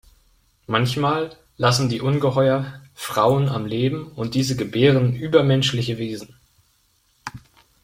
Manchmal lassen die Ungeheuer Frauen am Leben und diese gebären übermenschliche Wesen.